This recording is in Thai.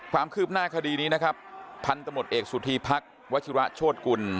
ความคืบหน้าคดีนี้นะครับพันธมตเอกสุธีพักษวัชิระโชธกุล